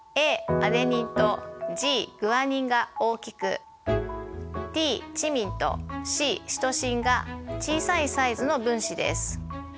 アデニンとＧグアニンが大きくＴチミンとＣシトシンが小さいサイズの分子です。